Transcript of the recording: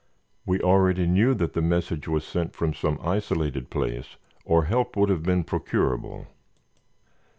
"We already knew that the message was sent from some isolated place or help would have been procurable.